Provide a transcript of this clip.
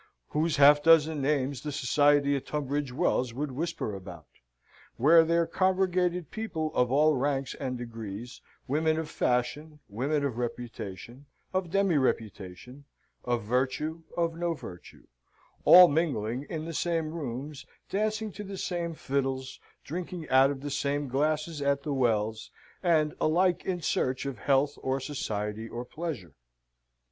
whose half dozen names the society at Tunbridge Wells would whisper about; where there congregated people of all ranks and degrees, women of fashion, women of reputation, of demi reputation, of virtue, of no virtue, all mingling in the same rooms, dancing to the same fiddles, drinking out of the same glasses at the Wells, and alike in search of health, or society, or pleasure.